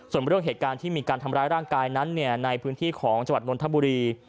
ส่วนเรื่องเหตุการณ์ที่มีการทำร้ายร่างกายนั้นในพื้นที่ของจังหวัดนนทบุรี